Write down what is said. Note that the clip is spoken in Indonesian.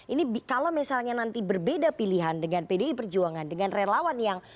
ini kalau misalnya nanti berbeda pilihan dengan pdi perjuangan dengan relawan yang